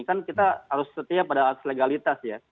kan kita harus setia pada legalitas ya